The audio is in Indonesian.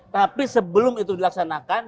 tapi sebelum itu dilaksanakan